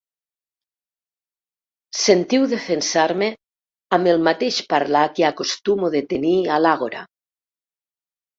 Sentiu defensar-me amb el mateix parlar que acostumo de tenir a l'àgora.